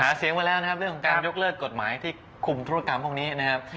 เสียงมาแล้วนะครับเรื่องของการยกเลิกกฎหมายที่คุมธุรกรรมพวกนี้นะครับ